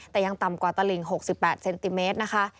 แต่ยังต่ำกว่าตลิง๖๘เซนติเมตรนะคะ